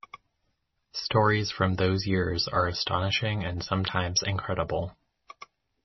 Stories from those years are astonishing and sometimes incredible.